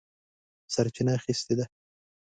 سرچینه اخیستې ده.